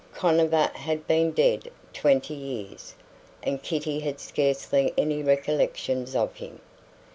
Conover had been dead twenty years; and Kitty had scarcely any recollections of him.